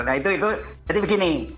nah itu jadi begini